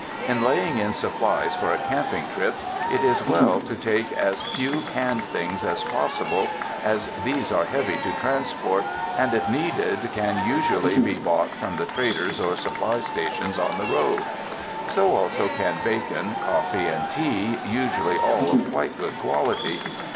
In laying in supplies for a camping trip, it is well to take as few canned things as possible, as these are heavy to transport and if needed can usually be bought from the traders or supply stations on the road. So also can bacon, coifee and tea, usually all of quite good quality.